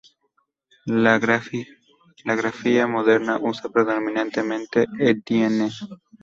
La grafía moderna usa predominantemente Étienne.